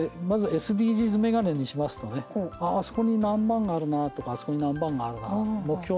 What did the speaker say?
まずＳＤＧｓ眼鏡にしますとねあ、あそこに何番があるなとかあそこに何番があるな目標